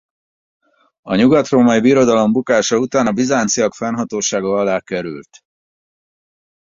A Nyugatrómai Birodalom bukása után a bizánciak fennhatósága alá került.